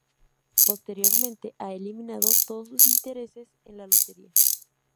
Posteriormente ha eliminado todo sus intereses en la lotería.